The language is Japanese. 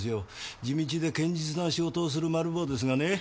地道で堅実な仕事をするマル暴ですがね